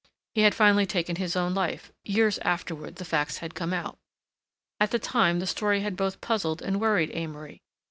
He had finally taken his own life—years afterward the facts had come out. At the time the story had both puzzled and worried Amory.